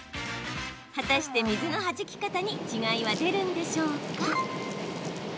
果たして水のはじき方に違いは出るんでしょうか？